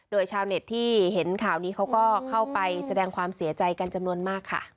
โดยชาวเน็ตที่เห็นข่าวนี้เขาก็เข้าไปแสดงความเสียใจกันจำนวนมากค่ะ